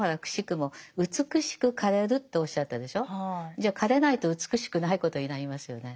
じゃあ枯れないと美しくないことになりますよね。